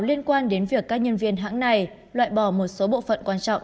liên quan đến việc các nhân viên hãng này loại bỏ một số bộ phận quan trọng